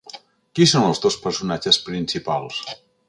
Qui són els dos personatges principals?